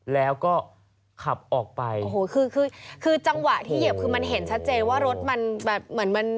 แล้วก็ขับออกไปโอ้โหคือคือจังหวะที่เหยียบคือมันเห็นชัดเจนว่ารถมันแบบเหมือนมัน